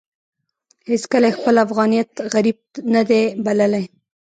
هېڅکله يې خپل افغانيت غريب نه دی بللی.